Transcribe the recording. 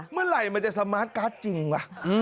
เมื่อไหร่มันจะสมาร์ทการ์ดจริงวะ